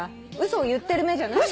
嘘を言ってる目じゃない。